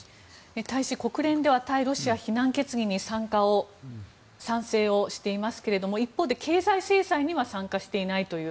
大使、国連では対ロシア非難決議に賛成をしていますが一方で経済制裁には参加していないという。